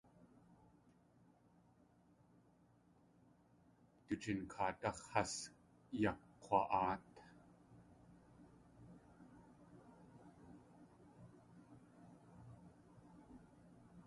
Du jikaadáx̲ has yakg̲wa.áat.